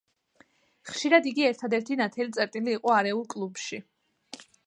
ხშირად იგი ერთადერთი ნათელი წერტილი იყო არეულ კლუბში.